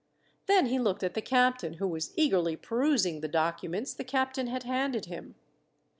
Then he looked at the captain, who was eagerly perusing the documents the captain had handed him.